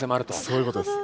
そういうことです。